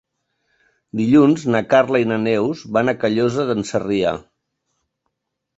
Dilluns na Carla i na Neus van a Callosa d'en Sarrià.